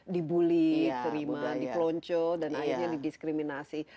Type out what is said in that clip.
dibully terima dipelonco dan akhirnya didiskriminasi